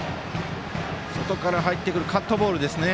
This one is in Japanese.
外から入ってくるカットボールですね。